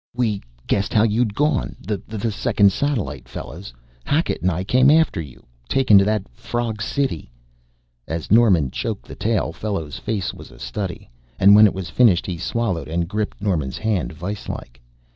"We guessed how you'd gone the second satellite, Fellows Hackett and I came after you taken to that frog city " As Norman choked the tale, Fellows' face was a study. And when it was finished he swallowed, and gripped Norman's hand viselike.